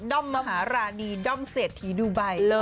ด้อมหาราณีด้อมเศรษฐีดูบัย